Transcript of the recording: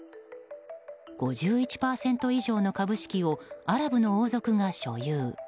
５１％以上の株式をアラブの王族が所有。